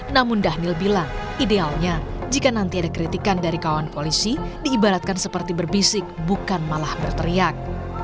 namun dhanil bilang idealnya jika nanti ada kritikan dari kawan koalisi diibaratkan seperti berbisik bukan malah berteriak